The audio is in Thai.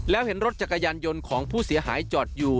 แล้วเห็นรถจักรยานยนต์ของผู้เสียหายจอดอยู่